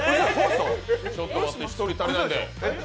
ちょっと待って１人足りないね。